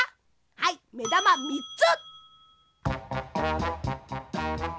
はいめだま３つ！